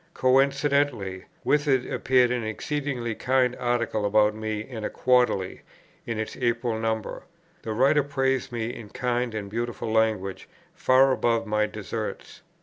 Coincidently with it appeared an exceedingly kind article about me in a Quarterly, in its April number. The writer praised me in kind and beautiful language far above my deserts.